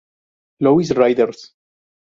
Louis Raiders.